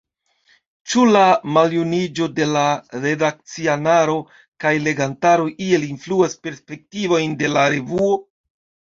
Ĉu la maljuniĝo de la redakcianaro kaj legantaro iel influas perspektivojn de la revuo?